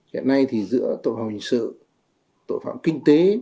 hiện nay thì giữa tội phạm hình sự tội phạm kinh tế